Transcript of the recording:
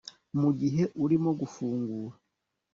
Mu gihe urimo gufungura